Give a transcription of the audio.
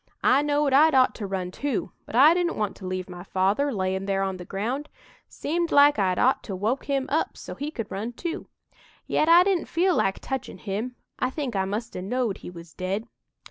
I knowed I'd ought to run too, but I didn't want to leave my father layin' there on the ground. Seemed like I'd ought to woke him up so he could run too. Yet I didn't feel like touchin' him. I think I must 'a' knowed he was dead.